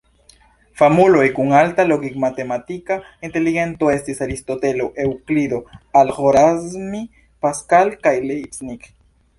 Famuloj kun alta logik-matematika inteligento estis: Aristotelo, Eŭklido, Al-Ĥorazmi, Pascal kaj Leibniz.